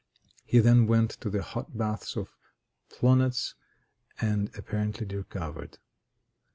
He then went to the hot baths of Plonetz, and apparently recovered.